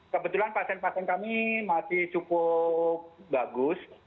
kebetulan pasien pasien kami masih cukup bagus